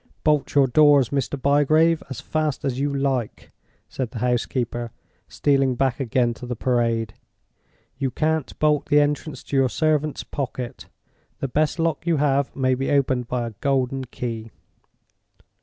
"Bolt your doors, Mr. Bygrave, as fast as you like," said the housekeeper, stealing back again to the Parade. "You can't bolt the entrance to your servant's pocket. The best lock you have may be opened by a golden key."